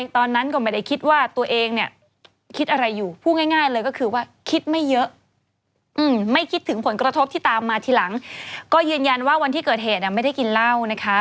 ถึงผลกระทบที่ตามมาทีหลังก็ยืนยันว่าวันที่เกิดเหตุไม่ได้กินเหล้า